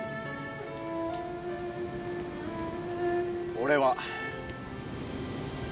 俺は。